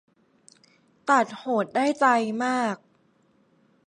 ตัดโหดได้ใจมาก